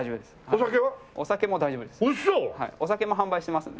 お酒も大丈夫です。